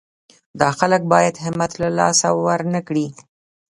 دا خلک باید همت له لاسه ورنه کړي.